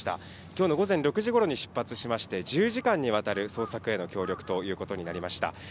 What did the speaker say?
きょうの午前６時ごろに出発しまして、１０時間にわたる捜索への協力ということになりました。